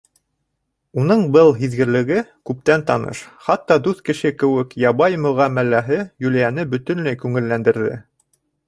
Уның был һиҙгерлеге, күптән таныш, хатта дуҫ кеше кеүек ябай мөғәмәләһе Юлияны бөтөнләй күңелләндерҙе.